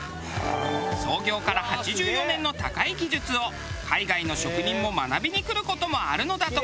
創業から８４年の高い技術を海外の職人も学びに来る事もあるのだとか。